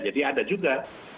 jadi ada juga